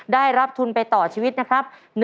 ได้รับทุนไปต่อชีวิตนะครับ